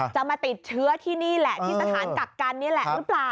จะมาติดเชื้อที่นี่แหละที่สถานกักกันนี่แหละหรือเปล่า